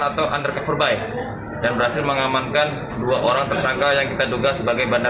atau undercover by dan berhasil mengamankan dua orang tersangka yang kita duga sebagai bandar